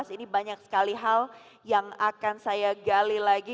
ini banyak sekali hal yang akan saya gali lagi